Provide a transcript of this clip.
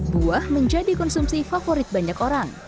buah menjadi konsumsi favorit banyak orang